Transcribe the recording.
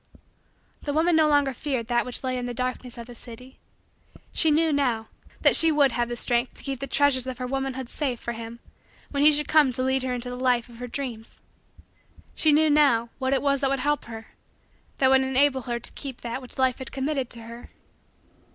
The woman no longer feared that which lay in the darkness of the city. She knew, now, that she would have strength to keep the treasures of her womanhood safe for him should he come to lead her into the life of her dreams. She knew, now, what it was that would help her that would enable her to keep that which Life had committed to her.